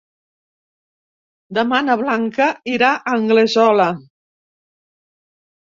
Demà na Blanca irà a Anglesola.